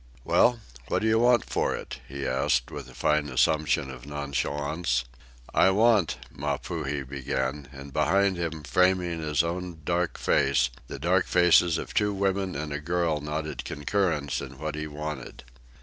"Well, what do you want for it?" he asked, with a fine assumption of nonchalance. "I want " Mapuhi began, and behind him, framing his own dark face, the dark faces of two women and a girl nodded concurrence in what he wanted.